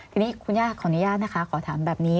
ทีนี้คุณย่าขออนุญาตนะคะขอถามแบบนี้